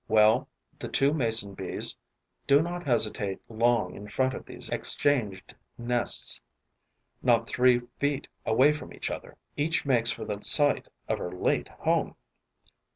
Well, the two Mason bees do not hesitate long in front of these exchanged nests, not three feet away from each other. Each makes for the site of her late home.